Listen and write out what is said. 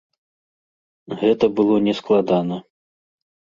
Гэта было не складана.